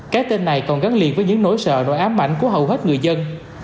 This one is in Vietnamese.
cái tên này còn gắn liền với những nỗi sợ nỗi ám ảnh của hầu hết người dân